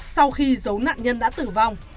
sau khi dấu nạn nhân đã tử vong